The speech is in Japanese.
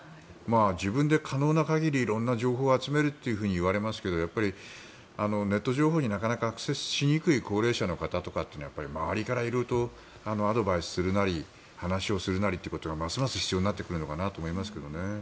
自分で可能な限り色んな情報を集めろと言われますがやっぱりネット情報になかなかアクセスしにくい高齢者の方とかは周りから色々とアドバイスするなり話をするなりってことがますます必要になってくるのかと思いますけどね。